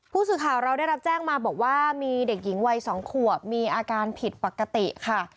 ผู้สื่อข่าวเราได้รับแจ้งมาบอกว่ามีเด็กหญิงวัย๒ขวบมีอาการผิดปกติค่ะ